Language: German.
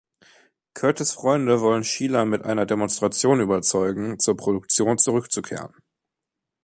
Curtis’ Freunde wollen Sheila mit einer Demonstration überzeugen, zur Produktion zurückzukehren.